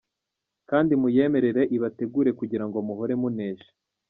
Kandi muyemerere ibategure kugira ngo muhore munesha.